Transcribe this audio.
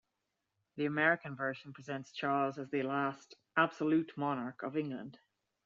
The American version presents Charles as the last "absolute" monarch of England.